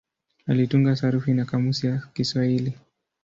Alitunga sarufi na kamusi ya Kiswahili.